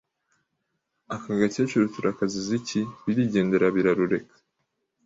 aka gakecuru turakaziza iki Birigendera birarureka